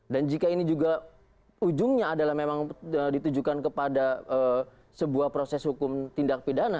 dan jika ini juga ujungnya adalah memang ditujukan kepada sebuah proses hukum tindak pidana